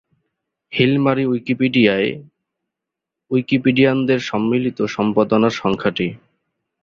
Hill মারি উইকিপিডিয়ায় উইকিপিডিয়ানদের সম্মিলিত সম্পাদনার সংখ্যা টি।